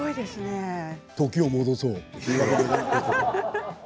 時を戻そう。